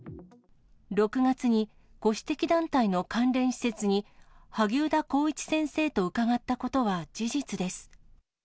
６月に、ご指摘団体の関連施設に、萩生田光一先生と伺ったことは事実です。